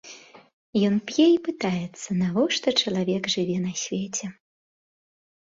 Ён п'е і пытаецца, навошта чалавек жыве на свеце.